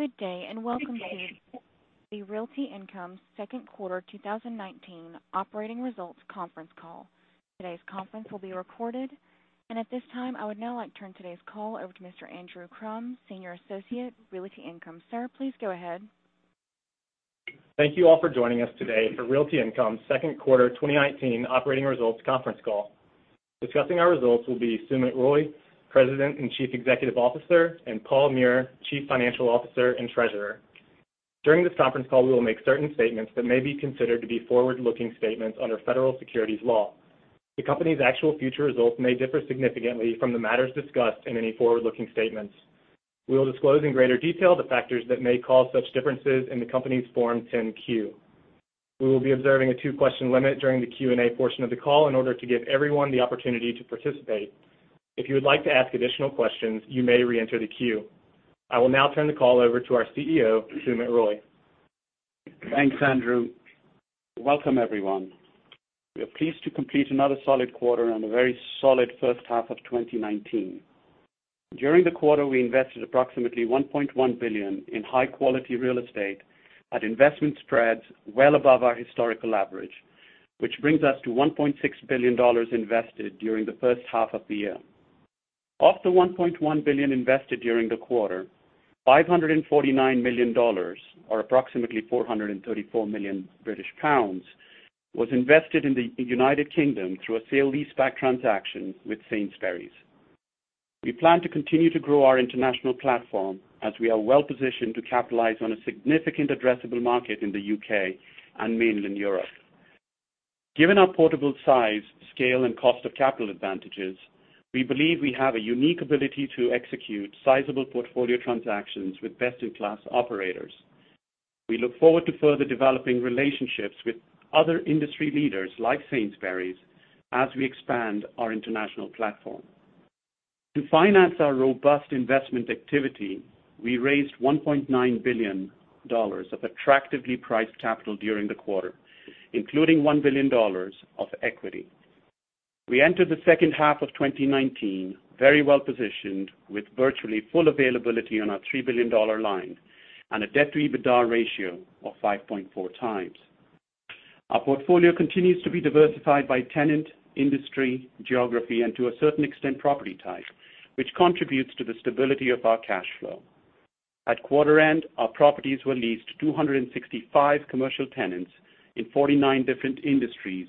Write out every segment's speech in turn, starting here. Good day and welcome to the Realty Income Second Quarter 2019 Operating Results Conference Call. Today's conference will be recorded. At this time, I would now like to turn today's call over to Mr. Andrew Crum, Senior Associate, Realty Income. Sir, please go ahead. Thank you all for joining us today for Realty Income Second Quarter 2019 Operating Results Conference Call. Discussing our results will be Sumit Roy, President and Chief Executive Officer, and Paul Meurer, Chief Financial Officer and Treasurer. During this conference call, we will make certain statements that may be considered to be forward-looking statements under federal securities law. The company's actual future results may differ significantly from the matters discussed in any forward-looking statements. We will disclose in greater detail the factors that may cause such differences in the company's Form 10-Q. We will be observing a two-question limit during the Q&A portion of the call in order to give everyone the opportunity to participate. If you would like to ask additional questions, you may re-enter the queue. I will now turn the call over to our CEO, Sumit Roy. Thanks, Andrew. Welcome, everyone. We are pleased to complete another solid quarter and a very solid first half of 2019. During the quarter, we invested approximately $1.1 billion in high-quality real estate at investment spreads well above our historical average, which brings us to $1.6 billion invested during the first half of the year. Of the $1.1 billion invested during the quarter, $549 million, or approximately 434 million British pounds, was invested in the U.K. through a sale-leaseback transaction with Sainsbury's. We plan to continue to grow our international platform as we are well-positioned to capitalize on a significant addressable market in the U.K. and Mainland Europe. Given our portable size, scale, and cost of capital advantages, we believe we have a unique ability to execute sizable portfolio transactions with best-in-class operators. We look forward to further developing relationships with other industry leaders like Sainsbury's as we expand our international platform. To finance our robust investment activity, we raised $1.9 billion of attractively priced capital during the quarter, including $1 billion of equity. We enter the second half of 2019 very well-positioned with virtually full availability on our $3 billion line and a Debt/EBITDA ratio of 5.4 times. Our portfolio continues to be diversified by tenant, industry, geography, and to a certain extent, property type, which contributes to the stability of our cash flow. At quarter end, our properties were leased to 265 commercial tenants in 49 different industries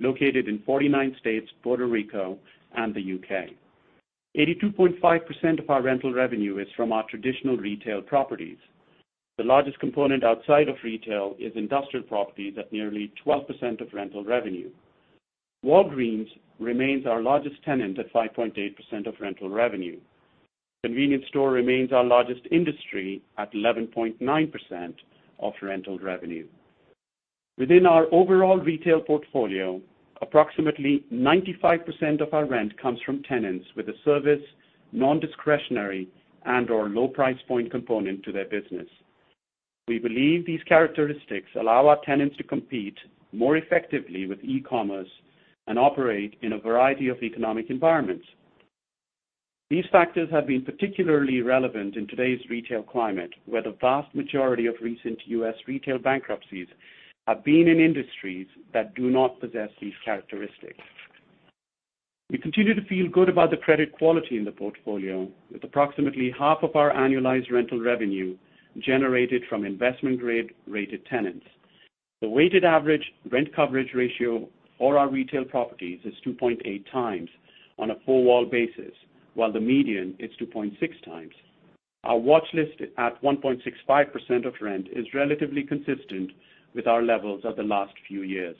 located in 49 states, Puerto Rico, and the U.K. 82.5% of our rental revenue is from our traditional retail properties. The largest component outside of retail is industrial properties at nearly 12% of rental revenue. Walgreens remains our largest tenant at 5.8% of rental revenue. Convenience store remains our largest industry at 11.9% of rental revenue. Within our overall retail portfolio, approximately 95% of our rent comes from tenants with a service, non-discretionary, and/or low price point component to their business. We believe these characteristics allow our tenants to compete more effectively with e-commerce and operate in a variety of economic environments. These factors have been particularly relevant in today's retail climate, where the vast majority of recent U.S. retail bankruptcies have been in industries that do not possess these characteristics. We continue to feel good about the credit quality in the portfolio, with approximately half of our annualized rental revenue generated from investment-grade-rated tenants. The weighted average rent coverage ratio for our retail properties is 2.8 times on a full year basis, while the median is 2.6 times. Our watch list at 1.65% of rent is relatively consistent with our levels of the last few years.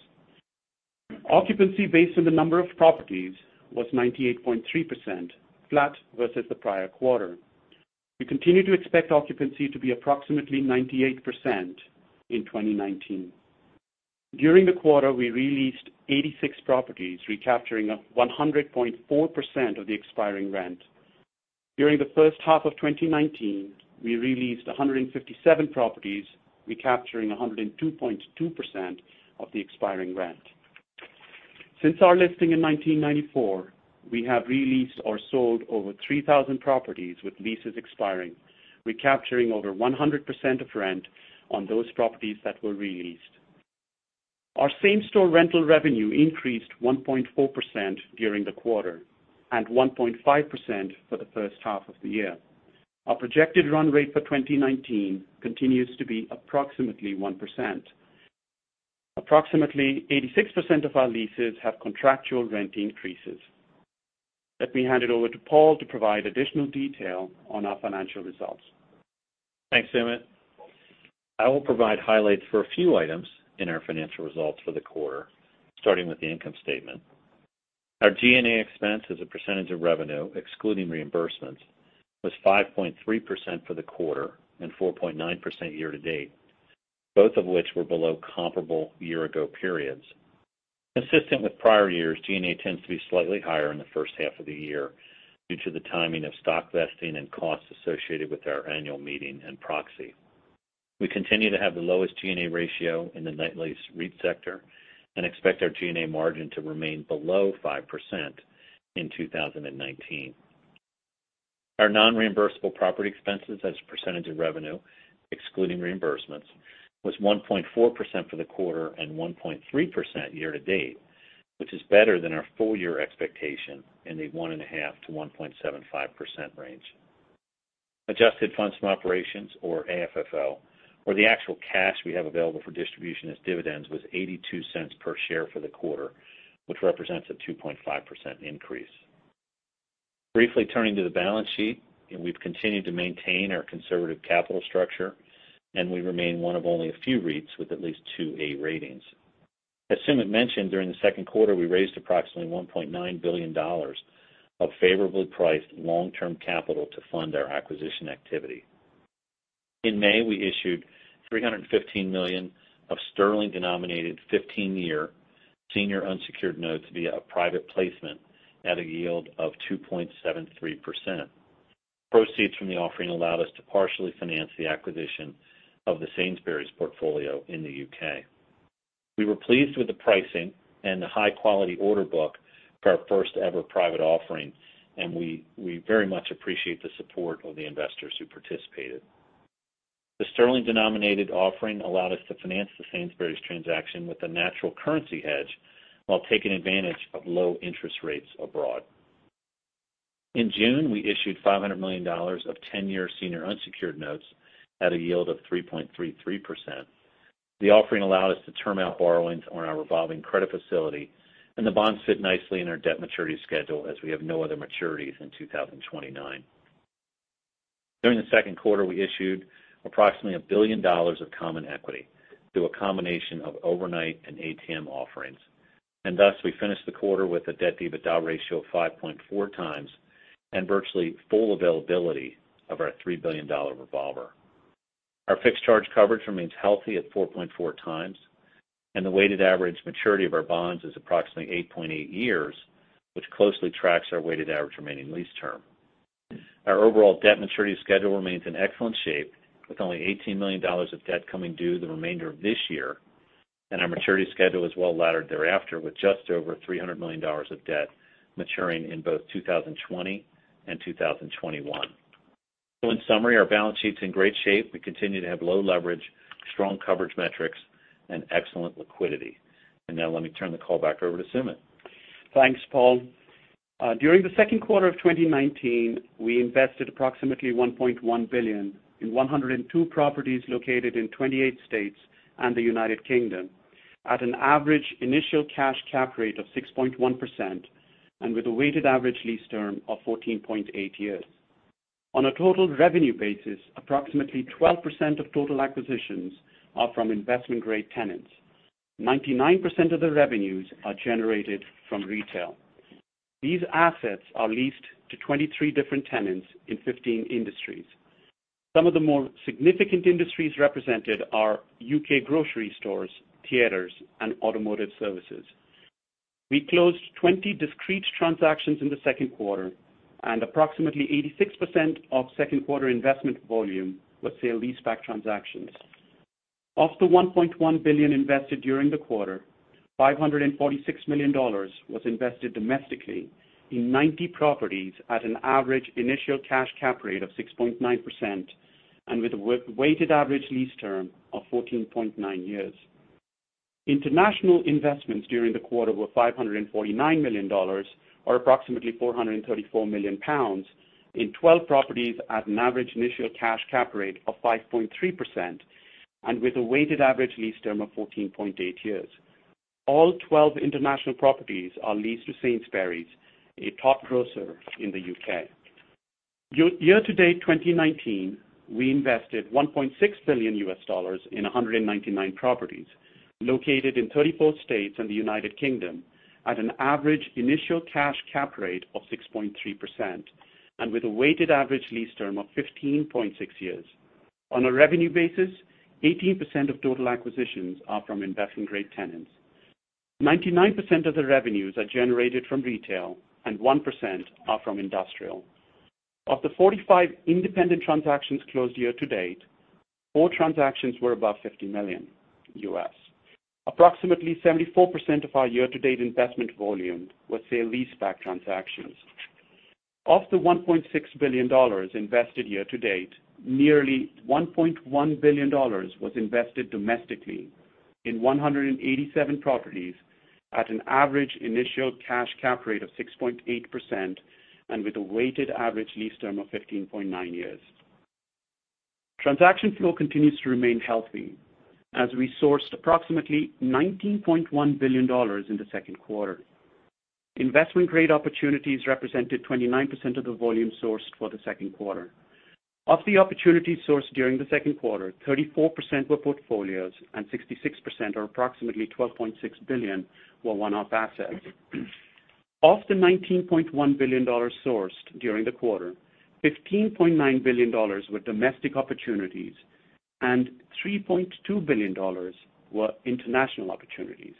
Occupancy based on the number of properties was 98.3%, flat versus the prior quarter. We continue to expect occupancy to be approximately 98% in 2019. During the quarter, we re-leased 86 properties, recapturing 100.4% of the expiring rent. During the first half of 2019, we re-leased 157 properties, recapturing 102.2% of the expiring rent. Since our listing in 1994, we have re-leased or sold over 3,000 properties with leases expiring, recapturing over 100% of rent on those properties that were re-leased. Our same-store rental revenue increased 1.4% during the quarter, and 1.5% for the first half of the year. Our projected run rate for 2019 continues to be approximately 1%. Approximately 86% of our leases have contractual rent increases. Let me hand it over to Paul to provide additional detail on our financial results. Thanks, Sumit. I will provide highlights for a few items in our financial results for the quarter, starting with the income statement. Our G&A expense as a percentage of revenue, excluding reimbursements, was 5.3% for the quarter and 4.9% year to date, both of which were below comparable year ago periods. Consistent with prior years, G&A tends to be slightly higher in the first half of the year due to the timing of stock vesting and costs associated with our annual meeting and proxy. We continue to have the lowest G&A ratio in the net lease REIT sector and expect our G&A margin to remain below 5% in 2019. Our non-reimbursable property expenses as a percentage of revenue, excluding reimbursements, was 1.4% for the quarter and 1.3% year-to-date, which is better than our full-year expectation in the 1.5%-1.75% range. Adjusted funds from operations or AFFO or the actual cash we have available for distribution as dividends was $0.82 per share for the quarter, which represents a 2.5% increase. Briefly turning to the balance sheet, we've continued to maintain our conservative capital structure, and we remain one of only a few REITs with at least two A ratings. As Sumit mentioned, during the second quarter, we raised approximately $1.9 billion of favorably priced long-term capital to fund our acquisition activity. In May, we issued 315 million of 15-year senior unsecured notes via a private placement at a yield of 2.73%. Proceeds from the offering allowed us to partially finance the acquisition of the Sainsbury's portfolio in the U.K. We were pleased with the pricing and the high-quality order book for our first-ever private offering, and we very much appreciate the support of the investors who participated. The sterling-denominated offering allowed us to finance the Sainsbury's transaction with a natural currency hedge while taking advantage of low-interest rates abroad. In June, we issued $500 million of 10-year senior unsecured notes at a yield of 3.33%. The offering allowed us to term out borrowings on our revolving credit facility, and the bonds fit nicely in our debt maturity schedule as we have no other maturities in 2029. During the second quarter, we issued approximately $1 billion of common equity through a combination of overnight and ATM offerings. We finished the quarter with a Debt/EBITDA ratio of 5.4 times and virtually full availability of our $3 billion revolver. Our fixed charge coverage remains healthy at 4.4 times, and the weighted average maturity of our bonds is approximately 8.8 years, which closely tracks our weighted average remaining lease term. Our overall debt maturity schedule remains in excellent shape, with only $18 million of debt coming due the remainder of this year, and our maturity schedule is well-laddered thereafter, with just over $300 million of debt maturing in both 2020 and 2021. In summary, our balance sheet's in great shape. We continue to have low leverage, strong coverage metrics, and excellent liquidity. Let me turn the call back over to Sumit. Thanks, Paul. During the second quarter of 2019, we invested approximately $1.1 billion in 102 properties located in 28 states and the U.K. at an average initial cash cap rate of 6.1% and with a weighted average lease term of 14.8 years. On a total revenue basis, approximately 12% of total acquisitions are from investment-grade tenants. 99% of the revenues are generated from retail. These assets are leased to 23 different tenants in 15 industries. Some of the more significant industries represented are U.K. grocery stores, theaters, and automotive services. We closed 20 discrete transactions in the second quarter, and approximately 86% of second quarter investment volume was sale-leaseback transactions. Of the $1.1 billion invested during the quarter, $546 million was invested domestically in 90 properties at an average initial cash cap rate of 6.9% and with a weighted average lease term of 14.9 years. International investments during the quarter were $549 million, or approximately 434 million pounds, in 12 properties at an average initial cash cap rate of 5.3% and with a weighted average lease term of 14.8 years. All 12 international properties are leased to Sainsbury's, a top grocer in the U.K. Year-to-date 2019, we invested $1.6 billion USD in 199 properties located in 34 states and the United Kingdom at an average initial cash cap rate of 6.3% and with a weighted average lease term of 15.6 years. On a revenue basis, 18% of total acquisitions are from investment-grade tenants. 99% of the revenues are generated from retail, and 1% are from industrial. Of the 45 independent transactions closed year-to-date, four transactions were above $50 million. Approximately 74% of our year-to-date investment volume was sale-leaseback transactions. Of the $1.6 billion invested year-to-date, nearly $1.1 billion was invested domestically in 187 properties at an average initial cash cap rate of 6.8% and with a weighted average lease term of 15.9 years. Transaction flow continues to remain healthy as we sourced approximately $19.1 billion in the second quarter. Investment-grade opportunities represented 29% of the volume sourced for the second quarter. Of the opportunities sourced during the second quarter, 34% were portfolios and 66% or approximately $12.6 billion were one-off assets. Of the $19.1 billion sourced during the quarter, $15.9 billion were domestic opportunities, and $3.2 billion were international opportunities.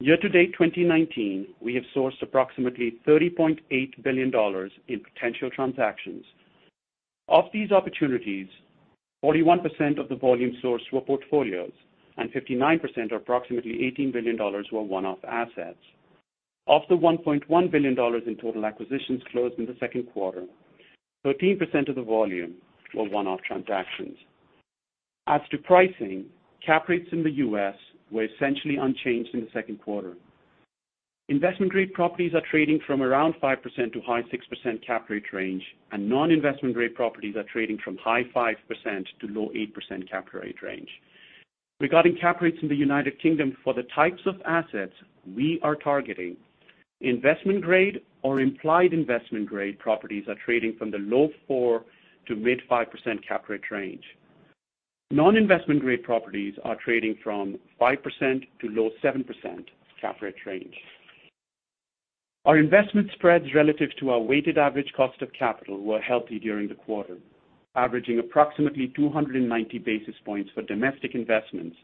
Year-to-date 2019, we have sourced approximately $30.8 billion in potential transactions. Of these opportunities, 41% of the volume sourced were portfolios and 59%, or approximately $18 billion, were one-off assets. Of the $1.1 billion in total acquisitions closed in the second quarter, 13% of the volume were one-off transactions. As to pricing, cap rates in the U.S. were essentially unchanged in the second quarter. Investment-grade properties are trading from around 5% to high 6% cap rate range, and non-investment-grade properties are trading from high 5% to low 8% cap rate range. Regarding cap rates in the U.K. for the types of assets we are targeting, investment-grade or implied investment-grade properties are trading from the low 4% to mid 5% cap rate range. Non-investment-grade properties are trading from 5% to low 7% cap rate range. Our investment spreads relative to our weighted average cost of capital were healthy during the quarter, averaging approximately 290 basis points for domestic investments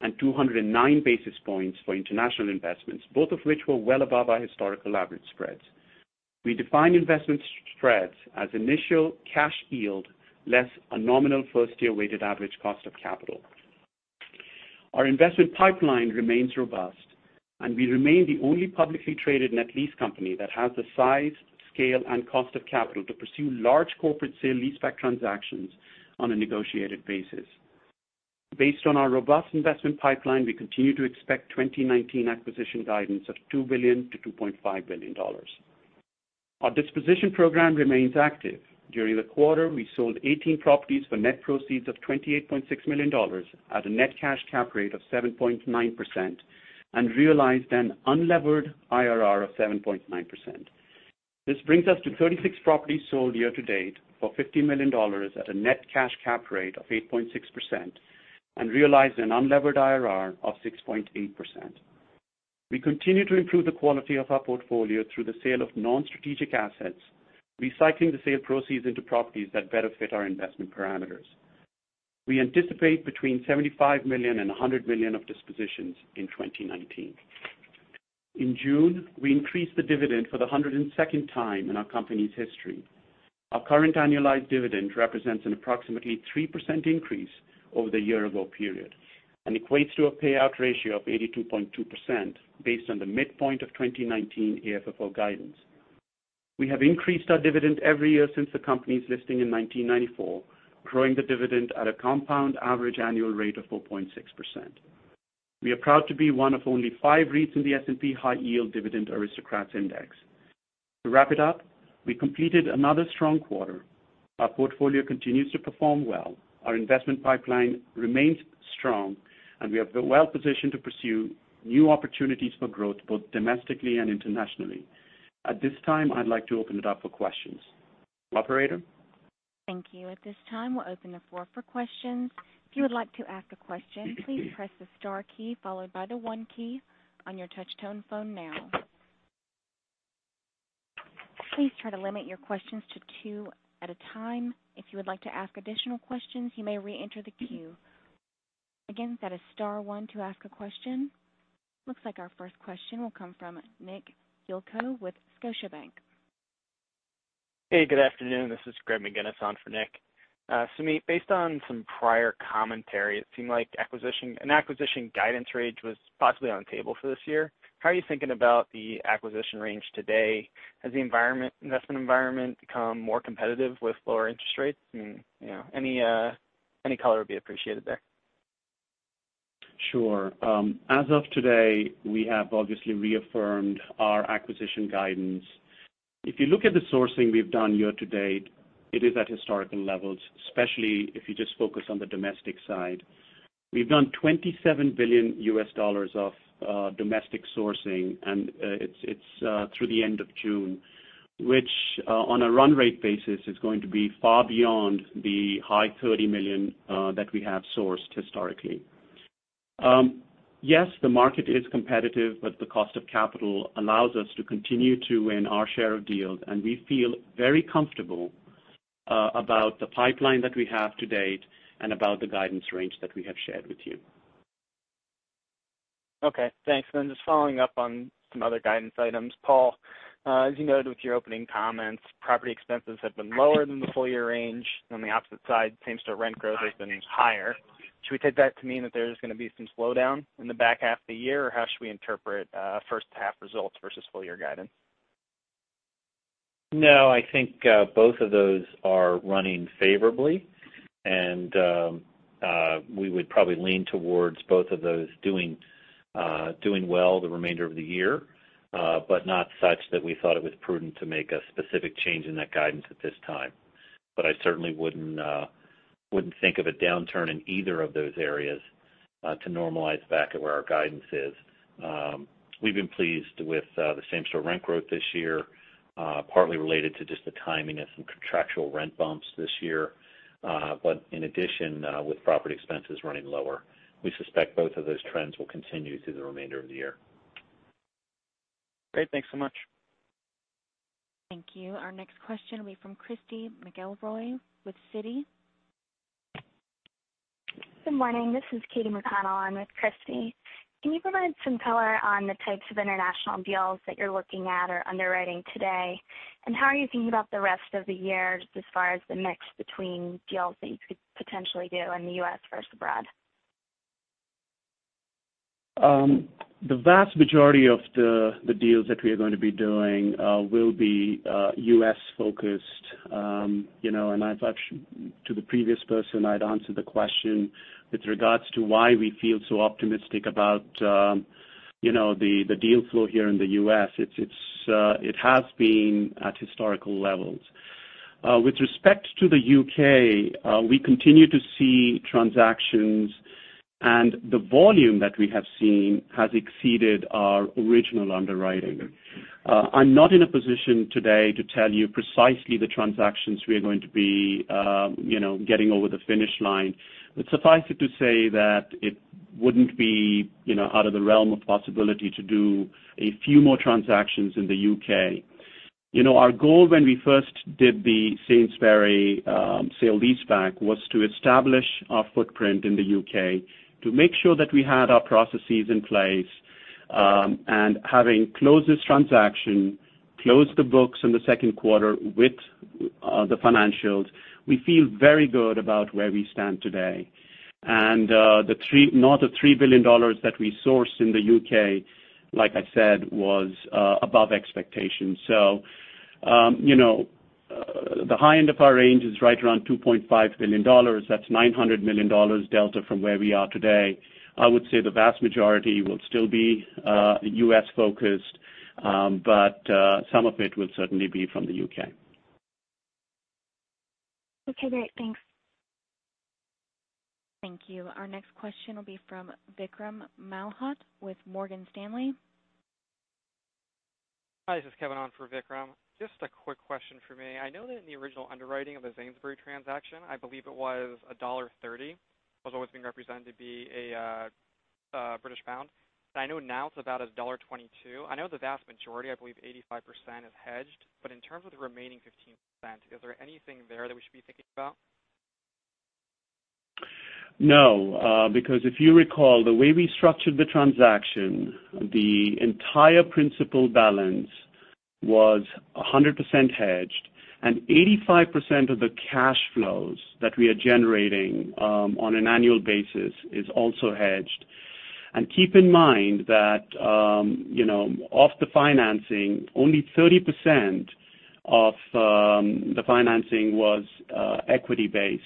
and 209 basis points for international investments, both of which were well above our historical average spreads. We define investment spreads as initial cash yield less a nominal first-year weighted average cost of capital. Our investment pipeline remains robust, and we remain the only publicly traded net lease company that has the size, scale, and cost of capital to pursue large corporate sale-leaseback transactions on a negotiated basis. Based on our robust investment pipeline, we continue to expect 2019 acquisition guidance of $2 billion-$2.5 billion. Our disposition program remains active. During the quarter, we sold 18 properties for net proceeds of $28.6 million at a net cash cap rate of 7.9% and realized an unlevered IRR of 7.9%. This brings us to 36 properties sold year-to-date for $50 million at a net cash cap rate of 8.6% and realized an unlevered IRR of 6.8%. We continue to improve the quality of our portfolio through the sale of non-strategic assets, recycling the sale proceeds into properties that better fit our investment parameters. We anticipate between $75 million and $100 million of dispositions in 2019. In June, we increased the dividend for the 102nd time in our company's history. Our current annualized dividend represents an approximately 3% increase over the year-ago period and equates to a payout ratio of 82.2% based on the midpoint of 2019 AFFO guidance. We have increased our dividend every year since the company's listing in 1994, growing the dividend at a compound average annual rate of 4.6%. We are proud to be one of only five REITs in the S&P High Yield Dividend Aristocrats Index. To wrap it up, we completed another strong quarter. Our portfolio continues to perform well. Our investment pipeline remains strong, and we are well positioned to pursue new opportunities for growth, both domestically and internationally. At this time, I'd like to open it up for questions. Operator? Thank you. At this time, we'll open the floor for questions. If you would like to ask a question, please press the star key followed by the 1 key on your touch-tone phone now. Please try to limit your questions to 2 at a time. If you would like to ask additional questions, you may re-enter the queue. Again, that is star 1 to ask a question. Looks like our first question will come from Nicholas Yulico with Scotiabank. Hey, good afternoon. This is Greg McGinniss on for Nick. Sumit, based on some prior commentary, it seemed like an acquisition guidance range was possibly on the table for this year. How are you thinking about the acquisition range today? Has the investment environment become more competitive with lower interest rates? Any color would be appreciated there. Sure. As of today, we have obviously reaffirmed our acquisition guidance. If you look at the sourcing we've done year-to-date, it is at historical levels, especially if you just focus on the domestic side. We've done $27 billion of domestic sourcing, and it's through the end of June, which on a run rate basis is going to be far beyond the high $30 million that we have sourced historically. Yes, the market is competitive, but the cost of capital allows us to continue to win our share of deals, and we feel very comfortable about the pipeline that we have to date and about the guidance range that we have shared with you. Okay, thanks. Just following up on some other guidance items. Paul, as you noted with your opening comments, property expenses have been lower than the full-year range. On the opposite side, same-store rent growth has been higher. Should we take that to mean that there's going to be some slowdown in the back half of the year, or how should we interpret first half results versus full-year guidance? I think both of those are running favorably, and we would probably lean towards both of those doing well the remainder of the year. Not such that we thought it was prudent to make a specific change in that guidance at this time. I certainly wouldn't think of a downturn in either of those areas to normalize back at where our guidance is. We've been pleased with the same-store rent growth this year, partly related to just the timing of some contractual rent bumps this year. In addition, with property expenses running lower. We suspect both of those trends will continue through the remainder of the year. Great. Thanks so much. Thank you. Our next question will be from Christy McElroy with Citi. Good morning. This is Katie McConnell. I'm with Christy. Can you provide some color on the types of international deals that you're looking at or underwriting today? How are you thinking about the rest of the year as far as the mix between deals that you could potentially do in the U.S. versus abroad? The vast majority of the deals that we are going to be doing will be U.S.-focused. To the previous person, I'd answered the question with regards to why we feel so optimistic about the deal flow here in the U.S. It has been at historical levels. With respect to the U.K., we continue to see transactions, and the volume that we have seen has exceeded our original underwriting. I'm not in a position today to tell you precisely the transactions we are going to be getting over the finish line, but suffice it to say that it wouldn't be out of the realm of possibility to do a few more transactions in the U.K. Our goal when we first did the Sainsbury's sale-leaseback was to establish our footprint in the U.K. to make sure that we had our processes in place. Having closed this transaction, closed the books in the second quarter with the financials, we feel very good about where we stand today. The net of $3 billion that we sourced in the U.K., like I said, was above expectation. The high end of our range is right around $2.5 billion. That's $900 million delta from where we are today. I would say the vast majority will still be U.S.-focused, but some of it will certainly be from the U.K. Okay, great. Thanks. Thank you. Our next question will be from Vikram Malhotra with Morgan Stanley. Hi, this is Kevin on for Vikram. Just a quick question for me. I know that in the original underwriting of the Sainsbury's transaction, I believe it was $1.30. That's always been represented to be a British pound. I know now it's about $1.22. I know the vast majority, I believe 85%, is hedged. In terms of the remaining 15%, is there anything there that we should be thinking about? No, because if you recall, the way we structured the transaction, the entire principal balance was 100% hedged, and 85% of the cash flows that we are generating on an annual basis is also hedged. Keep in mind that of the financing, only 30% of the financing was equity-based.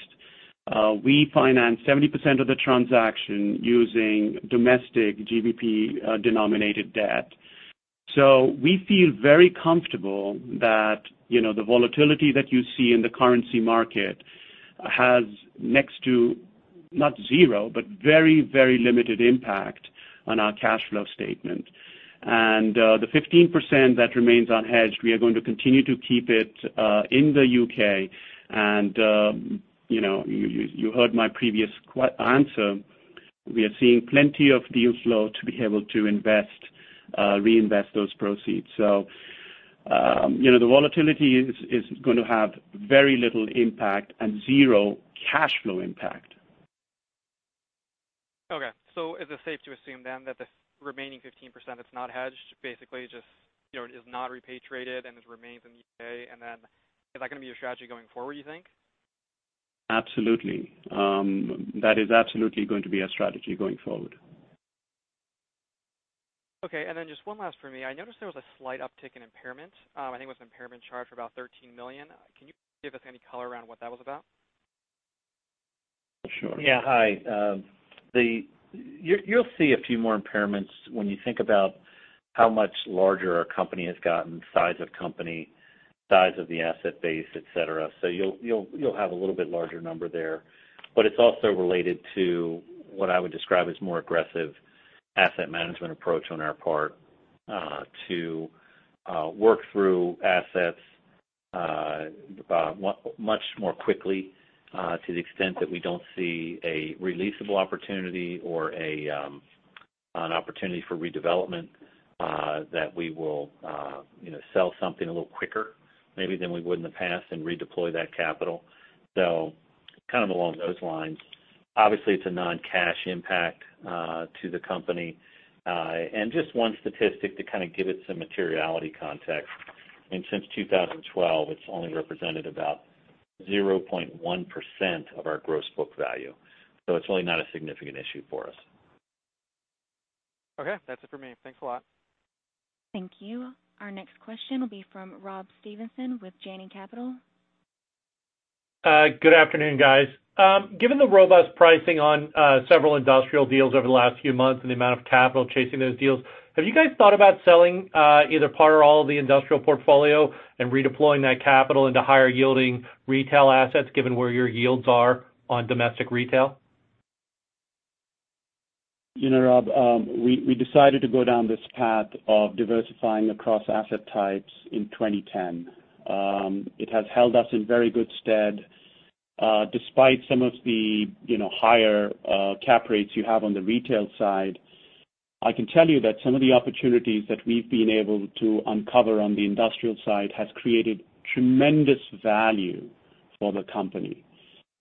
We financed 70% of the transaction using domestic GBP-denominated debt. We feel very comfortable that the volatility that you see in the currency market has next to, not zero, but very limited impact on our cash flow statement. The 15% that remains unhedged, we are going to continue to keep it in the U.K. You heard my previous answer. We are seeing plenty of deal flow to be able to reinvest those proceeds. The volatility is going to have very little impact and zero cash flow impact. Okay. Is it safe to assume then that the remaining 15% that's not hedged basically just is not repatriated and it remains in the U.K.? Is that going to be your strategy going forward, you think? Absolutely. That is absolutely going to be our strategy going forward. Okay, just one last for me. I noticed there was a slight uptick in impairment. I think it was an impairment charge for about $13 million. Can you give us any color around what that was about? Sure. Yeah. Hi. You'll see a few more impairments when you think about how much larger our company has gotten, size of company, size of the asset base, et cetera. You'll have a little bit larger number there. It's also related to what I would describe as more aggressive asset management approach on our part to work through assets much more quickly to the extent that we don't see a releasable opportunity or an opportunity for redevelopment that we will sell something a little quicker maybe than we would in the past and redeploy that capital. Along those lines. Obviously, it's a non-cash impact to the company. Just one statistic to kind of give it some materiality context. Since 2012, it's only represented about 0.1% of our gross book value. It's really not a significant issue for us. Okay. That's it for me. Thanks a lot. Thank you. Our next question will be from Rob Stevenson with Janney Capital. Good afternoon, guys. Given the robust pricing on several industrial deals over the last few months and the amount of capital chasing those deals, have you guys thought about selling either part or all of the industrial portfolio and redeploying that capital into higher-yielding retail assets given where your yields are on domestic retail? Rob, we decided to go down this path of diversifying across asset types in 2010. It has held us in very good stead. Despite some of the higher cap rates you have on the retail side, I can tell you that some of the opportunities that we've been able to uncover on the industrial side has created tremendous value for the company.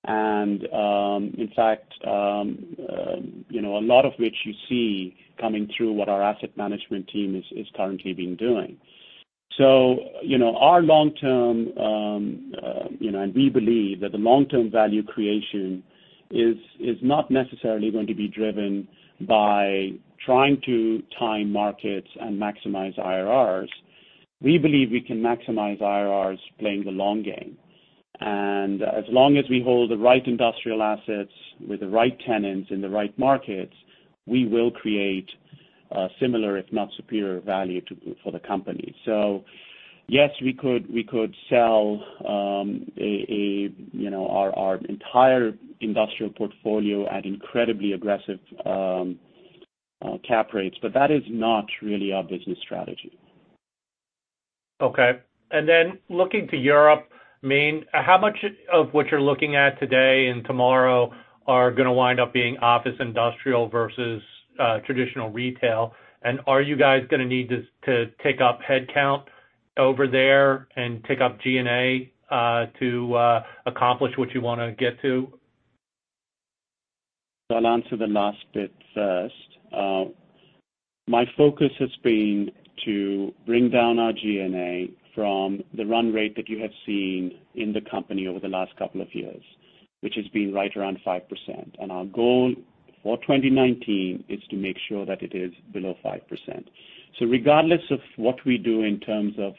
In fact, a lot of which you see coming through what our asset management team is currently been doing. We believe that the long-term value creation is not necessarily going to be driven by trying to time markets and maximize IRRs. We believe we can maximize IRRs playing the long game. As long as we hold the right industrial assets with the right tenants in the right markets, we will create similar, if not superior value for the company. Yes, we could sell our entire industrial portfolio at incredibly aggressive cap rates. That is not really our business strategy. Okay. Looking to Europe, Mainland, how much of what you're looking at today and tomorrow are going to wind up being office industrial versus traditional retail? Are you guys going to need to take up headcount over there and take up G&A to accomplish what you want to get to? I'll answer the last bit first. My focus has been to bring down our G&A from the run rate that you have seen in the company over the last couple of years, which has been right around 5%. Our goal for 2019 is to make sure that it is below 5%. Regardless of what we do in terms of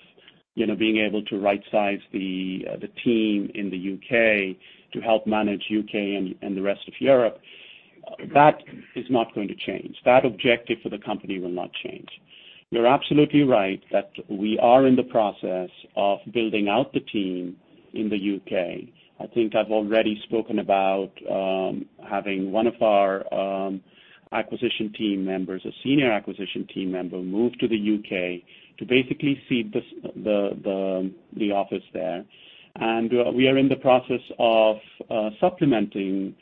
being able to right-size the team in the U.K. to help manage U.K. and the rest of Europe, that is not going to change. That objective for the company will not change. You're absolutely right that we are in the process of building out the team in the U.K. I think I've already spoken about having one of our acquisition team members, a senior acquisition team member, move to the U.K. to basically seed the office there. We are in the process of supplementing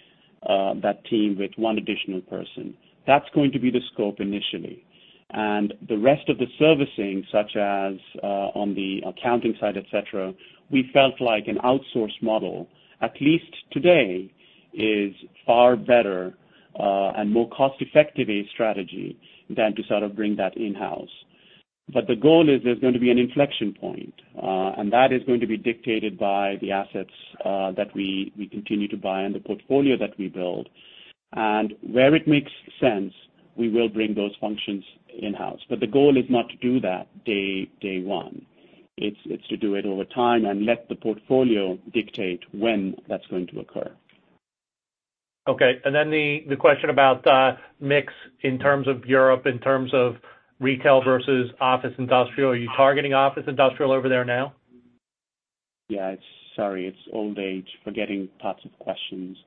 that team with one additional person. That's going to be the scope initially. The rest of the servicing, such as on the accounting side, et cetera, we felt like an outsource model, at least today, is far better and more cost-effective a strategy than to sort of bring that in-house. The goal is there's going to be an inflection point, and that is going to be dictated by the assets that we continue to buy and the portfolio that we build. Where it makes sense, we will bring those functions in-house. The goal is not to do that day one. It's to do it over time and let the portfolio dictate when that's going to occur. Okay. Then the question about mix in terms of Europe, in terms of retail versus office industrial. Are you targeting office industrial over there now? Yeah. Sorry, it's old age, forgetting parts of questions.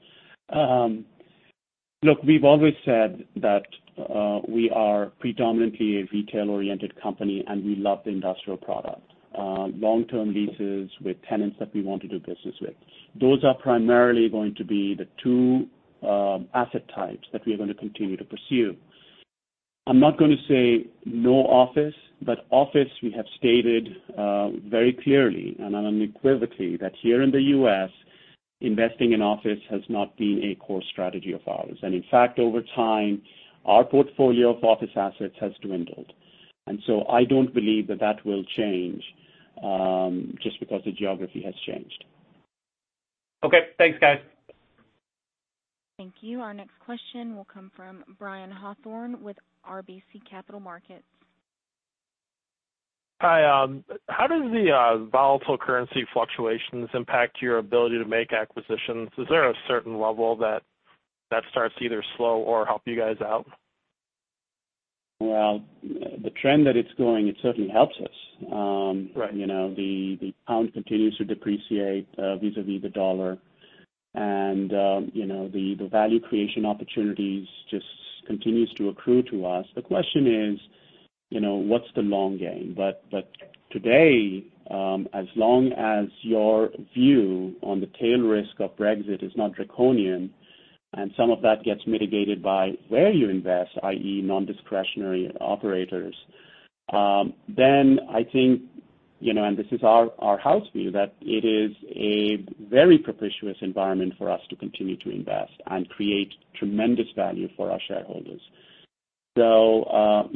Look, we've always said that we are predominantly a retail-oriented company. We love the industrial product, long-term leases with tenants that we want to do business with. Those are primarily going to be the two asset types that we are going to continue to pursue. I'm not going to say no office. Office we have stated very clearly and unequivocally that here in the U.S., investing in office has not been a core strategy of ours. In fact, over time, our portfolio of office assets has dwindled. I don't believe that that will change, just because the geography has changed. Okay. Thanks, guys. Thank you. Our next question will come from Brian Hawthorne with RBC Capital Markets. Hi. How does the volatile currency fluctuations impact your ability to make acquisitions? Is there a certain level that starts to either slow or help you guys out? Well, the trend that it's going, it certainly helps us. Right. The GBP continues to depreciate vis-à-vis the USD. The value creation opportunities just continues to accrue to us. The question is, what's the long game? Today, as long as your view on the tail risk of Brexit is not draconian, and some of that gets mitigated by where you invest, i.e., non-discretionary operators, then I think, and this is our house view, that it is a very propitious environment for us to continue to invest and create tremendous value for our shareholders. The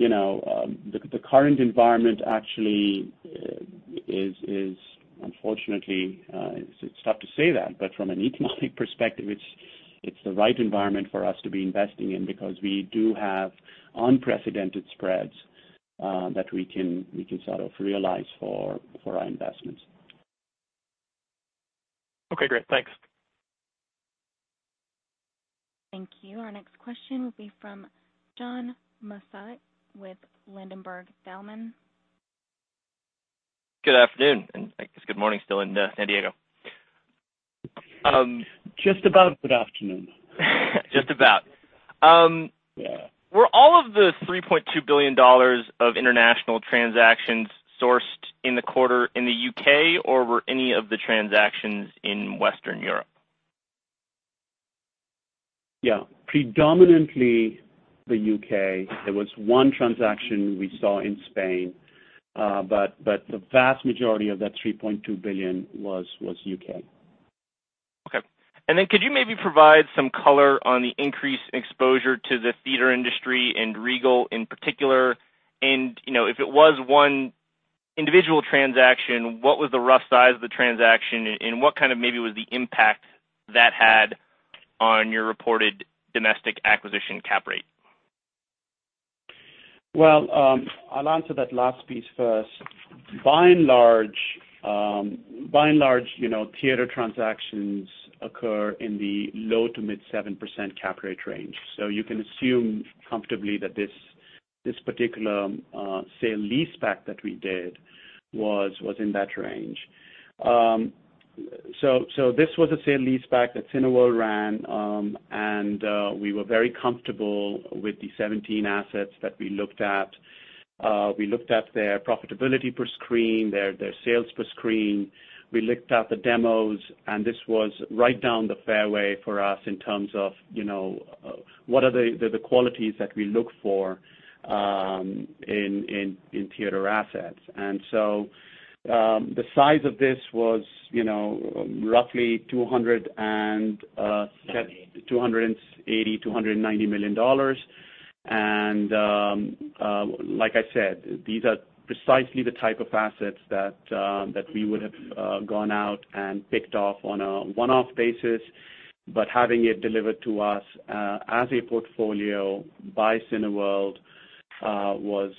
current environment actually is unfortunately It's tough to say that, but from an economic perspective it's the right environment for us to be investing in because we do have unprecedented spreads that we can sort of realize for our investments. Okay, great. Thanks. Thank you. Our next question will be from John Massocca with Ladenburg Thalmann. Good afternoon, and I guess good morning still in San Diego. Just about good afternoon. Just about. Yeah. Were all of the $3.2 billion of international transactions sourced in the quarter in the U.K., or were any of the transactions in Western Europe? Yeah. Predominantly the U.K. There was one transaction we saw in Spain, but the vast majority of that $3.2 billion was U.K. Okay. Could you maybe provide some color on the increased exposure to the theater industry and Regal in particular? If it was one individual transaction, what was the rough size of the transaction and what maybe was the impact that had on your reported domestic acquisition cap rate? Well, I'll answer that last piece first. By and large, theater transactions occur in the low to mid 7% cap rate range. You can assume comfortably that this particular sale-leaseback that we did was in that range. This was a sale-leaseback that Cineworld ran, and we were very comfortable with the 17 assets that we looked at. We looked at their profitability per screen, their sales per screen. We looked at the demos, and this was right down the fairway for us in terms of what are the qualities that we look for in theater assets. The size of this was roughly $280, $290 million. Like I said, these are precisely the type of assets that we would have gone out and picked off on a one-off basis. Having it delivered to us as a portfolio by Cineworld, was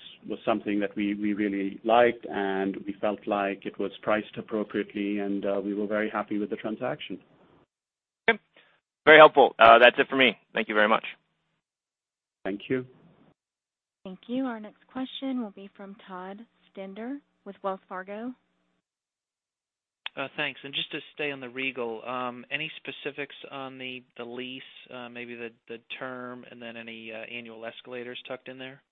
something that we really liked, and we felt like it was priced appropriately, and we were very happy with the transaction. Okay. Very helpful. That's it for me. Thank you very much. Thank you. Thank you. Our next question will be from Todd Stender with Wells Fargo. Thanks. Just to stay on the Regal, any specifics on the lease, maybe the term, and then any annual escalators tucked in there?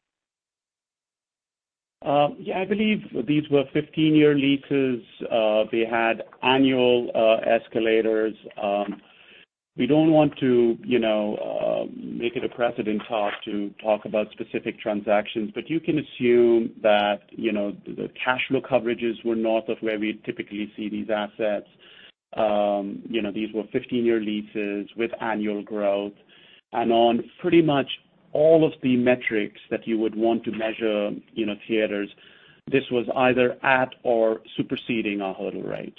Yeah, I believe these were 15-year leases. They had annual escalators. We don't want to make it a precedent talk to talk about specific transactions. You can assume that the cash flow coverages were north of where we typically see these assets. These were 15-year leases with annual growth. On pretty much all of the metrics that you would want to measure theaters, this was either at or superseding our hurdle rate,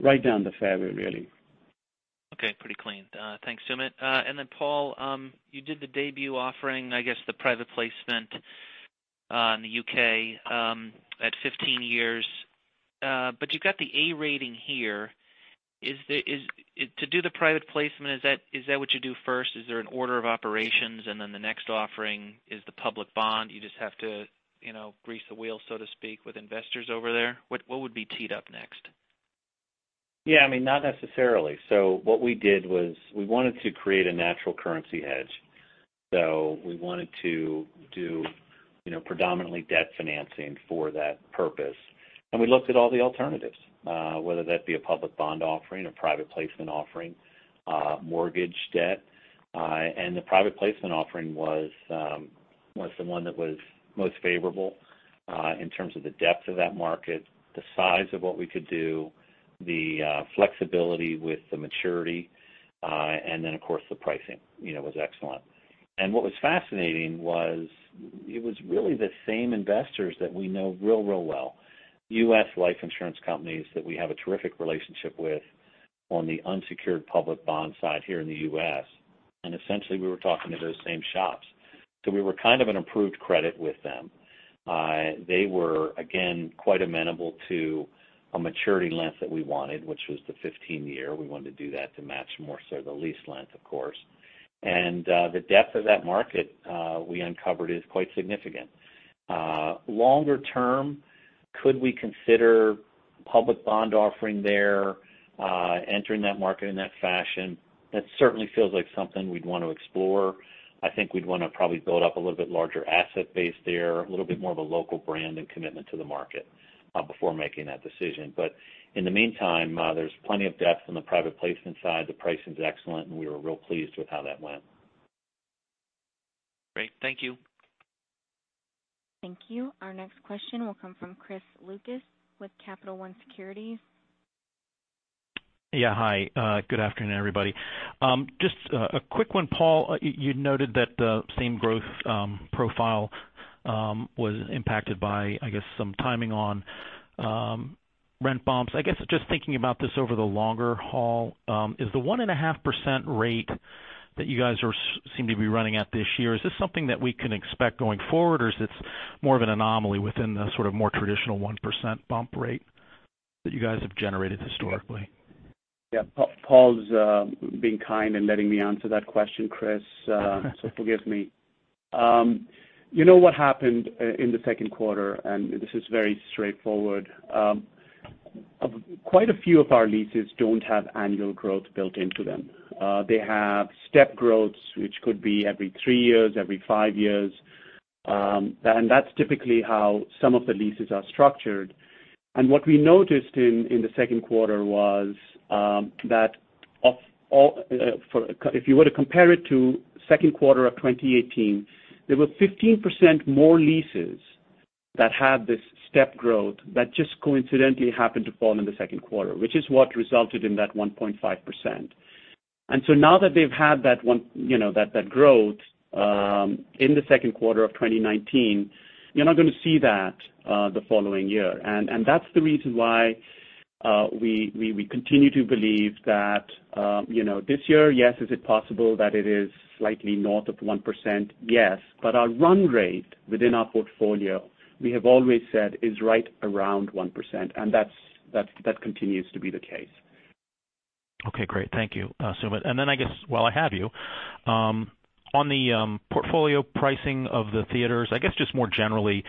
right down the fairway really. Okay. Pretty clean. Thanks, Sumit. Paul, you did the debut offering, I guess, the private placement, in the U.K., at 15 years. You got the A rating here. To do the private placement, is that what you do first? Is there an order of operations, and then the next offering is the public bond? You just have to grease the wheel, so to speak, with investors over there? What would be teed up next? Yeah, not necessarily. What we did was we wanted to create a natural currency hedge. We wanted to do predominantly debt financing for that purpose. We looked at all the alternatives, whether that be a public bond offering, a private placement offering, mortgage debt. The private placement offering was the one that was most favorable, in terms of the depth of that market, the size of what we could do, the flexibility with the maturity, and then, of course, the pricing was excellent. What was fascinating was it was really the same investors that we know real well. U.S. life insurance companies that we have a terrific relationship with on the unsecured public bond side here in the U.S. Essentially, we were talking to those same shops. We were kind of an approved credit with them. They were, again, quite amenable to a maturity length that we wanted, which was the 15-year. We wanted to do that to match more so the lease length, of course. The depth of that market, we uncovered is quite significant. Longer term, could we consider public bond offering there, entering that market in that fashion? That certainly feels like something we'd want to explore. I think we'd want to probably build up a little bit larger asset base there, a little bit more of a local brand and commitment to the market before making that decision. In the meantime, there's plenty of depth on the private placement side. The pricing's excellent, and we were real pleased with how that went. Great. Thank you. Thank you. Our next question will come from Chris Lucas with Capital One Securities. Yeah. Hi. Good afternoon, everybody. Just a quick one, Paul. You noted that the same growth profile was impacted by, I guess, some timing on rent bumps. I guess, just thinking about this over the longer haul, is the 1.5% rate that you guys seem to be running at this year, is this something that we can expect going forward, or is this more of an anomaly within the sort of more traditional 1% bump rate that you guys have generated historically? Yeah. Paul's being kind and letting me answer that question, Chris, so forgive me. You know what happened in the second quarter, and this is very straightforward. Quite a few of our leases don't have annual growth built into them. They have step growths, which could be every three years, every five years. That's typically how some of the leases are structured. What we noticed in the second quarter was that if you were to compare it to second quarter of 2018, there were 15% more leases that had this step growth that just coincidentally happened to fall in the second quarter, which is what resulted in that 1.5%. Now that they've had that growth in the second quarter of 2019, you're not going to see that the following year. That's the reason why we continue to believe that this year, yes, is it possible that it is slightly north of 1%? Yes. Our run rate within our portfolio, we have always said is right around 1%, and that continues to be the case. Okay, great. Thank you, Sumit. I guess while I have you, on the portfolio pricing of the theaters, I guess just more generally,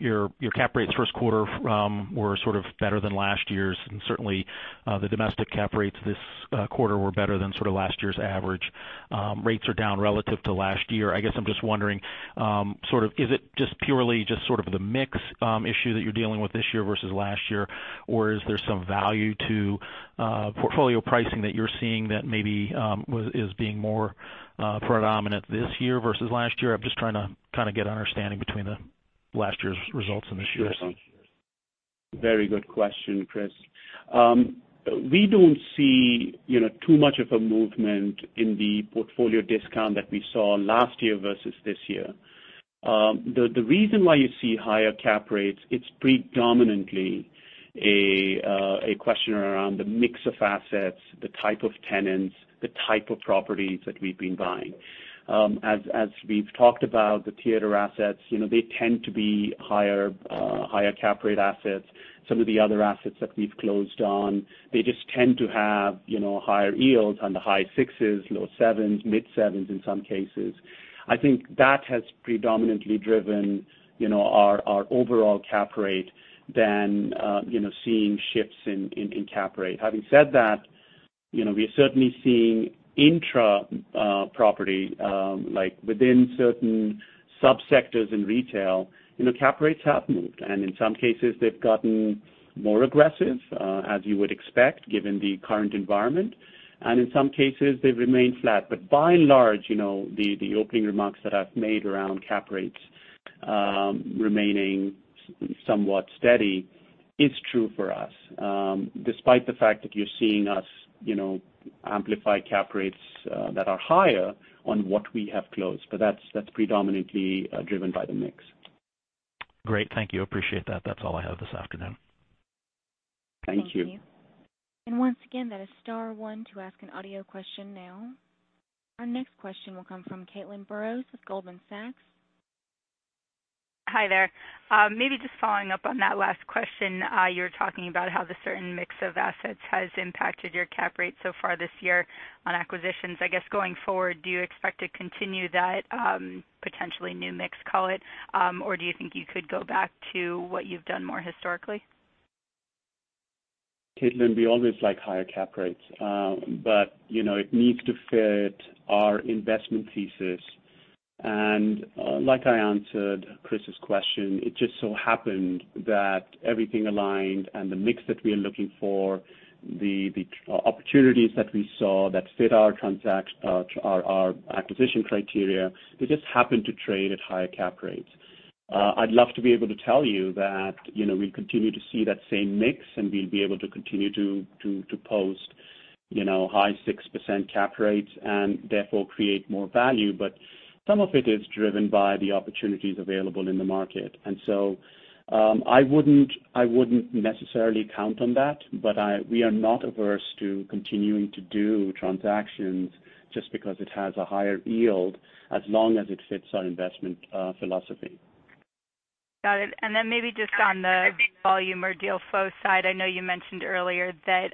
your cap rates first quarter were sort of better than last year's, and certainly the domestic cap rates this quarter were better than last year's average. Rates are down relative to last year. I guess I'm just wondering, is it just purely just sort of the mix issue that you're dealing with this year versus last year, or is there some value to portfolio pricing that you're seeing that maybe is being more predominant this year versus last year? I'm just trying to get understanding between the last year's results and this year's. Very good question, Chris. We don't see too much of a movement in the portfolio discount that we saw last year versus this year. The reason why you see higher cap rates, it's predominantly a question around the mix of assets, the type of tenants, the type of properties that we've been buying. As we've talked about the theater assets, they tend to be higher cap rate assets. Some of the other assets that we've closed on, they just tend to have higher yields on the high sixes, low sevens, mid sevens, in some cases. I think that has predominantly driven our overall cap rate than seeing shifts in cap rate. Having said that, we are certainly seeing intra-property, like within certain sub-sectors in retail, cap rates have moved, and in some cases they've gotten more aggressive, as you would expect given the current environment. In some cases, they've remained flat. By and large, the opening remarks that I've made around cap rates remaining somewhat steady is true for us. Despite the fact that you're seeing us amplify cap rates that are higher on what we have closed. That's predominantly driven by the mix. Great. Thank you. Appreciate that. That's all I have this afternoon. Thank you. Thank you. Once again, that is star one to ask an audio question now. Our next question will come from Caitlin Burrows with Goldman Sachs. Hi there. Maybe just following up on that last question. You were talking about how the certain mix of assets has impacted your cap rate so far this year on acquisitions. I guess going forward, do you expect to continue that potentially new mix, call it, or do you think you could go back to what you've done more historically? Caitlin, we always like higher cap rates. It needs to fit our investment thesis. Like I answered Chris' question, it just so happened that everything aligned and the mix that we are looking for, the opportunities that we saw that fit our acquisition criteria, they just happen to trade at higher cap rates. I'd love to be able to tell you that we continue to see that same mix and we'll be able to continue to post high 6% cap rates and therefore create more value, but some of it is driven by the opportunities available in the market. I wouldn't necessarily count on that, but we are not averse to continuing to do transactions just because it has a higher yield, as long as it fits our investment philosophy. Got it. Maybe just on the volume or deal flow side, I know you mentioned earlier that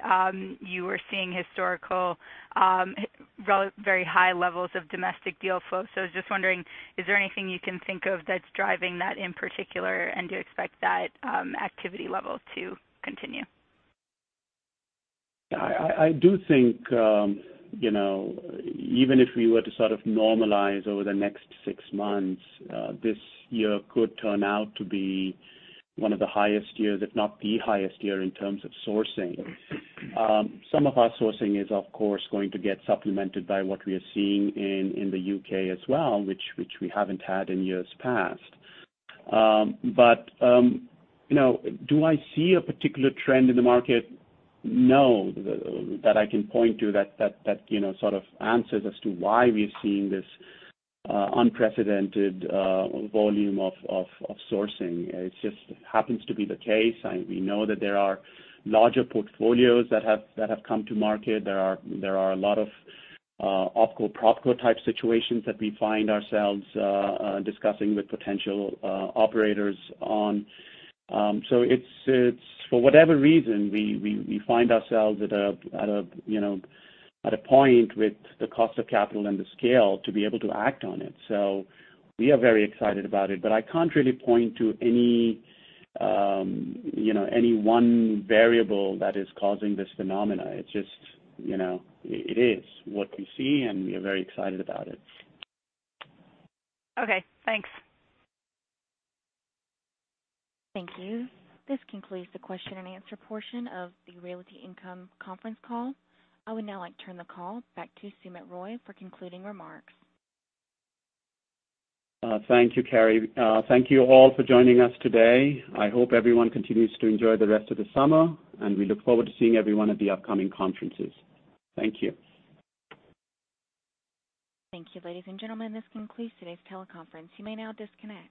you were seeing historical very high levels of domestic deal flow. I was just wondering, is there anything you can think of that's driving that in particular, and do you expect that activity level to continue? I do think even if we were to sort of normalize over the next six months, this year could turn out to be one of the highest years, if not the highest year, in terms of sourcing. Some of our sourcing is, of course, going to get supplemented by what we are seeing in the U.K. as well, which we haven't had in years past. Do I see a particular trend in the market, no, that I can point to that sort of answers as to why we are seeing this unprecedented volume of sourcing. It just happens to be the case. We know that there are larger portfolios that have come to market. There are a lot of OpCo/PropCo type situations that we find ourselves discussing with potential operators on. For whatever reason, we find ourselves at a point with the cost of capital and the scale to be able to act on it. We are very excited about it. I can't really point to any one variable that is causing this phenomena. It is what we see, and we are very excited about it. Okay, thanks. Thank you. This concludes the question and answer portion of the Realty Income conference call. I would now like to turn the call back to Sumit Roy for concluding remarks. Thank you, Carrie. Thank you all for joining us today. I hope everyone continues to enjoy the rest of the summer, we look forward to seeing everyone at the upcoming conferences. Thank you. Thank you, ladies and gentlemen. This concludes today's teleconference. You may now disconnect.